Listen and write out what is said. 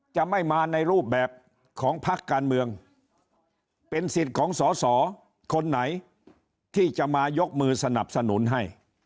จะไม่มาในรูปแบบของพักการเมืองเป็นสิทธิ์ของสอสอคนไหนที่จะมายกมือสนับสนุนให้